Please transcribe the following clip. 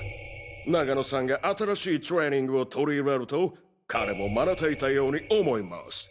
永野さんが新しいトレーニングを取り入れると彼もマネていたように思います。